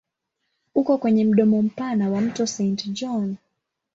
Uko kwenye mdomo mpana wa mto Saint John.